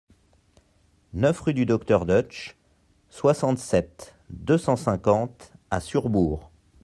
neuf rue du Docteur Deutsch, soixante-sept, deux cent cinquante à Surbourg